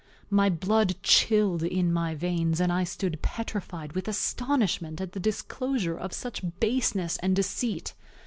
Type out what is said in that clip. My blood chilled in my veins, and I stood petrified with astonishment at the disclosure of such baseness and deceit.